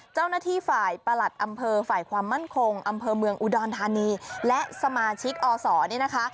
เจ้าหน้าที่ฝ่ายประหลัดอำเภอฝ่ายความมั่นคงอำเภอเมืองอุดรธานีและสมาชิกอศเนี่ยนะคะ